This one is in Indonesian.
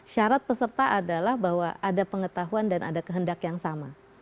syarat peserta adalah bahwa ada pengetahuan dan ada kehendak yang sama